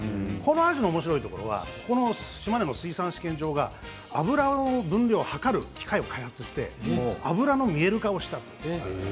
このアジのおもしろいところは島根の水産試験場が脂の分量を測る機械を開発して脂の見える化をしたんです。